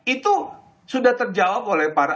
itu sudah terjawab oleh para